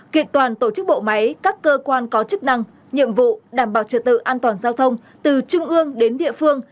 kiện toàn tổ chức bộ máy các cơ quan có chức năng nhiệm vụ đảm bảo trợ tự an toàn giao thông từ trung ương đến địa phương